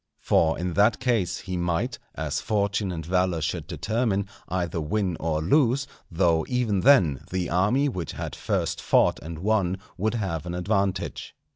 For in that case he might, as fortune and valour should determine, either win or lose; though, even then, the army which had first fought and won would have an advantage.